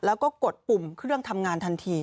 แล้วก็กดปุ่มเครื่องทำงานทันที